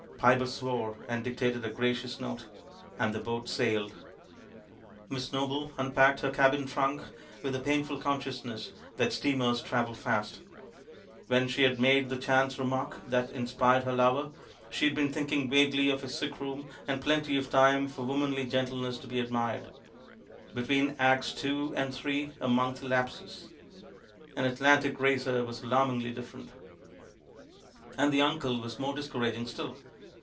Pybus swore, and dictated a gracious note. And the boat sailed. Miss Noble unpacked her cabin trunk with the painful consciousness that steamers travelled fast. When she had made the chance remark that in spired her lover, she had been thinking vaguely of a sick room and plenty of time for womanly gentleness to be admired. "Between Acts II. and III. a month elapses." An Atlantic racer was alarmingly different. And the uncle was more discouraging still.